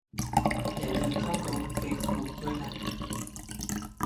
อย่าลืมเข้ากรุ๊ปเฟซบุ๊กด้วยนะ